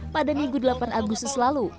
pada minggu delapan agustus lalu